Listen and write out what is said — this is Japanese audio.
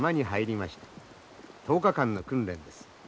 １０日間の訓練です。